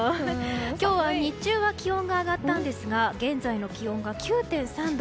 今日は、日中は気温が上がったんですが現在の気温が９．３度。